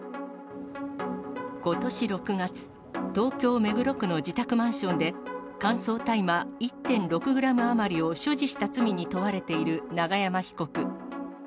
ことし６月、東京・目黒区の自宅マンションで乾燥大麻１．６グラム余りを所持した罪に問われている永山被告。